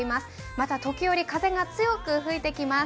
また時折、風が強く吹いてきます。